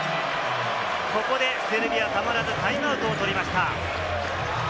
ここでセルビア、たまらずタイムアウトを取りました。